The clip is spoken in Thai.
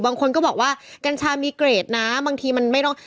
บางคนก็บอกว่ากัญชามีเกรดนะบางทีมันไม่ต้อง